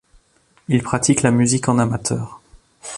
Il pratique la musique en amateur.